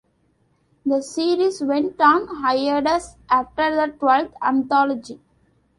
The series went on hiatus after the twelfth anthology.